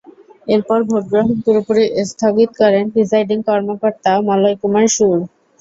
এরপর ভোট গ্রহণ পুরোপুরি স্থগিত করেন প্রিসাইডিং কর্মকর্তা মলয় কুমার শুর।